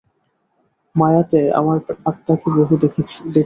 মায়াতে আমরা আত্মাকে বহু দেখি।